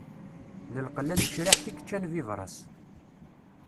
D lqella n tecriḥt i yeččan bibras.